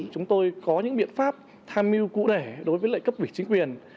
chúng tôi có những biện pháp tham mưu cụ đẻ đối với cấp ủy chính quyền